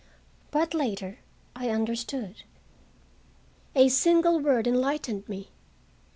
But later I understood. A single word enlightened me.